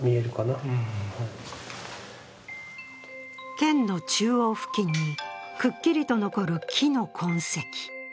剣の中央付近にくっきりと残る木の痕跡。